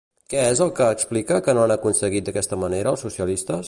Què és el que explica que no han aconseguit d'aquesta manera els socialistes?